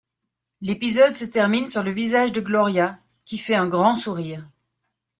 L'épisode se termine sur le visage de Gloria, qui fait un grand sourire.